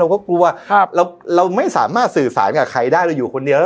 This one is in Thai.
เพราะกลัวเราไม่สามารถสื่อสารกับใครได้เราอยู่คนเดียว